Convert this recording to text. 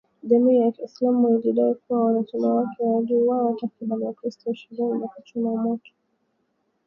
Jamii ya kiislamu ilidai kuwa wanachama wake waliwauwa takribani wakristo ishirini na kuchoma moto